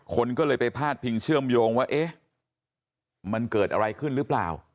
คนก็เลยไปพาดพิงเชื่อมโยงว่าเอ๊ะมันเกิดอะไรขึ้นหรือเปล่า